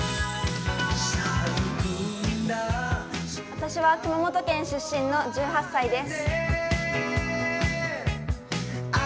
私は熊本県出身の１８歳です。